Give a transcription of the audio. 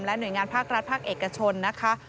หน่วยงานภาครัฐภาคเอกชนนะคะ